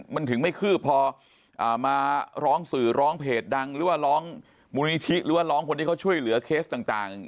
มันถึงไม่คืบพอมาร้องสื่อร้องเพจดังร้องมูลนิธิร้องคนที่ค่อยช่วยเหลือเคสต่าง